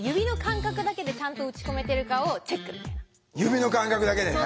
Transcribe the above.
指の感覚だけでね。